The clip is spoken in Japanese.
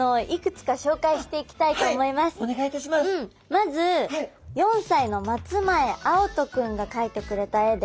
まず４歳の松前青杜君が描いてくれた絵で。